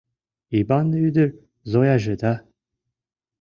Иван ӱдыр Зояже да